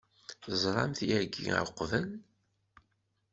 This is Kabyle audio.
Teẓram-t yagi uqbel?